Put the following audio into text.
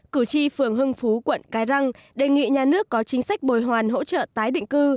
cử tri phường hưng phú quận cái răng đề nghị nhà nước có chính sách bồi hoàn hỗ trợ tái định cư